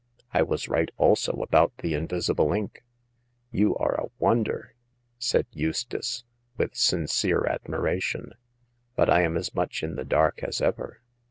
I was right also about the invisible ink.*' " You are a wonder !" caid Eustace, with sin cere admiration ;" but I am as much in the dark as ever.